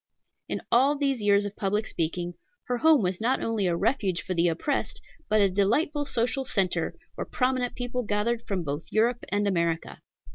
In all these years of public speaking, her home was not only a refuge for the oppressed, but a delightful social centre, where prominent people gathered from both Europe and America.